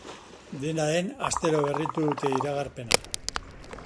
Dena den, astero berritu dute iragarpena.